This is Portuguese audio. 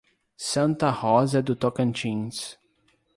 Santa Rosa do Tocantins